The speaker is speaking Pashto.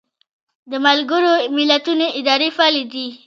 د ملګرو ملتونو ادارې فعالې دي